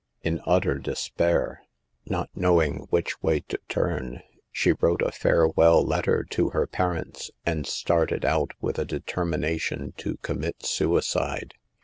In utter despair, not knowing which way to turn, she wrote a farewell letter to her parents, and started out with a determination to commit suicide.